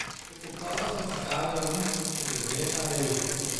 De voltallige vergaderingen moeten meer gaan leven.